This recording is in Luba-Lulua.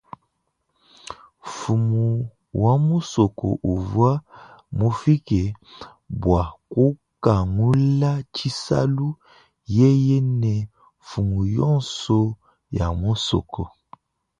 Mfumu wa musoko uvwa mufike bwa kukangula tshisalu yeye ne mfumu yonso ya musoko.